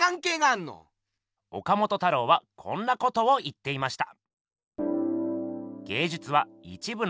岡本太郎はこんなことを言っていました。